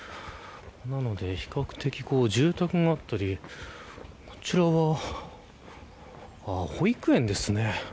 なので比較的、住宅があったりこちらは保育園ですね。